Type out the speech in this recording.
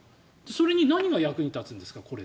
それに、何に役立つんですか。